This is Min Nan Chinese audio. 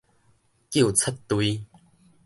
糾察隊